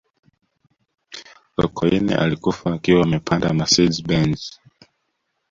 sokoine alikufa akiwa amepanda mercedes benz